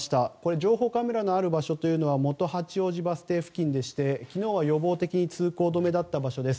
情報カメラのある場所は元八王子バス停付近でして昨日は予防的に通行止めだった場所です。